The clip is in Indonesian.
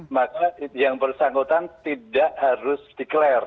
maka yang bersangkutan tidak harus declare